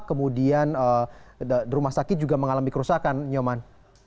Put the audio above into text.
kemudian rumah sakit juga mengalami kerusakan nyoman